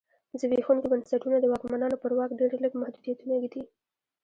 زبېښونکي بنسټونه د واکمنانو پر واک ډېر لږ محدودیتونه ږدي.